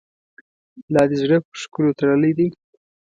لا دي زړه پر ښکلو تړلی دی.